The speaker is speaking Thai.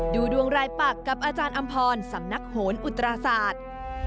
ดูดวงรายปักกับอาจารย์อำพรสำนักโหนอุตราศาสตร์